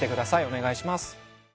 お願いします。